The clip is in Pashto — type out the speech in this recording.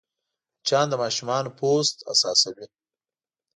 مچان د ماشومانو پوست حساسوې